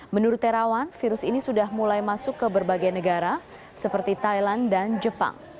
menurut terawan virus ini sudah mulai masuk ke berbagai negara seperti thailand dan jepang